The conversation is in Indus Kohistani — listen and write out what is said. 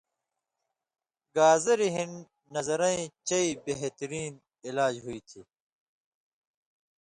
گازریۡ ہِن نظرَیں چئ بہتہۡرین علاج ہُوئ تھی